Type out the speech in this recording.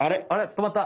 とまった。